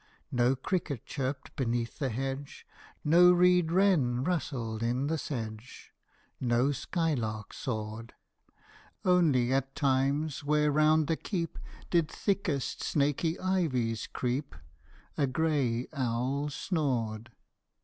No cricket chirped beneath the hedge No reed wren rustled in the sedge No skylark soared ; Only at times, where round the keep Did thickest snaky ivies creep, A grey owl snored.